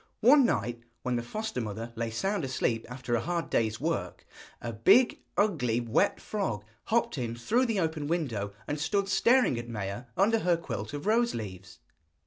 One night, when the foster mother lay sound asleep after a hard day's work, a big, ugly, wet frog hopped in through the open window and stood staring at Maia under her quilt of rose leaves.